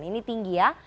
ini tinggi ya